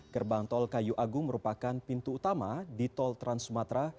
gerbang tol kayu agung merupakan pintu utama di tol trans sumatera